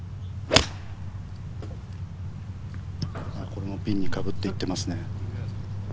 このピンにかぶっていってますね。